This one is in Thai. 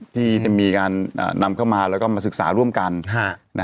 ที่จะมีการนำเข้ามาแล้วก็มาศึกษาร่วมกัน